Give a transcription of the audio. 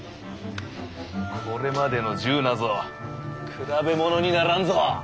これまでの銃なぞ比べものにならんぞ！